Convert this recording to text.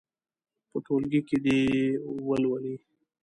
په ټولګي کې دې یې ولولي.